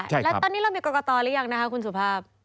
แล้วตอนนี้เรามีกรกตหรือยังนะคะคุณสุภาพ